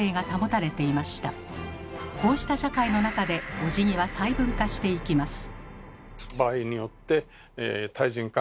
こうした社会の中でおじぎは細分化していきます。